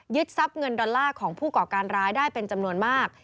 ทรัพย์เงินดอลลาร์ของผู้ก่อการร้ายได้เป็นจำนวนมาก